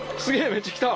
めっちゃきた！